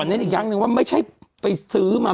แต่ขอแนะนำอีกอย่างหนึ่งว่าไม่ใช่ไปซื้อมา